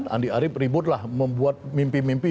andi arief ribut lah membuat mimpi mimpi